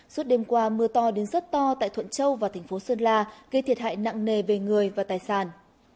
suốt đêm qua mưa to đến rất to tại thuận châu và thành phố sơn la gây thiệt hại nặng nề về người và tài sản